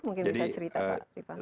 mungkin bisa cerita pak